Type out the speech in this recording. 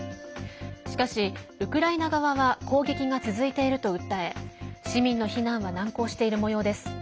しかし、ウクライナ側は攻撃が続いていると訴え市民の避難は難航しているもようです。